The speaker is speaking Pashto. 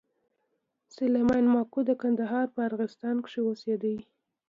سلېمان ماکو د کندهار په ارغسان کښي اوسېدئ.